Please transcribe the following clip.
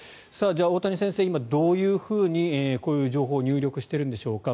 大谷先生、今、どういうふうにこういう情報を入力しているのでしょうか。